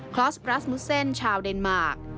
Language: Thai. อสปรัสมุเซนชาวเดนมาร์ค